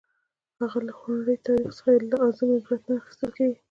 د هغه له خونړي تاریخ څخه لازم عبرت نه اخیستل کېږي.